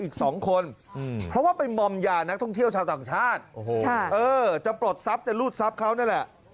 อีก๒คนเพราะว่าไปมอมยานักท่องเที่ยวชาวต่างชาติจะปลดทรัพย์จะรูดทรัพย์เขานั่นแหละ